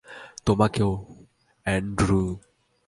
তোমাকেও, অ্যান্ড্রু।